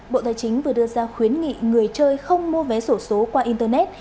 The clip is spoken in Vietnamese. bộ tài chính vừa đưa ra khuyến nghị người chơi không mua vé sổ số qua internet